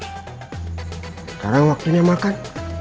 sekarang waktunya makan